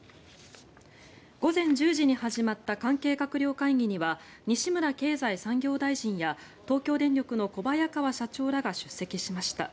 午前１０時に始まった関係閣僚会議には西村経済産業大臣や東京電力の小早川社長らが出席しました。